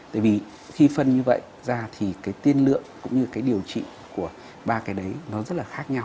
tại vì khi phân như vậy ra thì cái tiên lượng cũng như cái điều trị của ba cái đấy nó rất là khác nhau